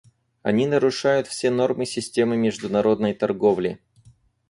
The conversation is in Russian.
Они нарушают все нормы системы международной торговли.